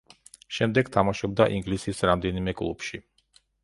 შემდეგ თამაშობდა ინგლისის რამდენიმე კლუბში.